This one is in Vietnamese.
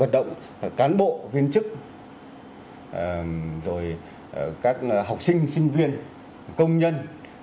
động cán bộ viên chức rồi các học sinh sinh viên công nhân